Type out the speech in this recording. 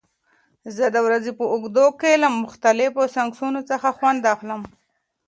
زه د ورځې په اوږدو کې له مختلفو سنکسونو څخه خوند اخلم.